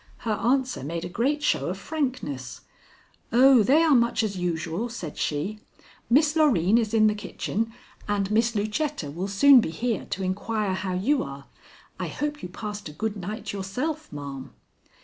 Her answer made a great show of frankness. "Oh, they are much as usual," said she. "Miss Loreen is in the kitchen and Miss Lucetta will soon be here to inquire how you are. I hope you passed a good night yourself, ma'am."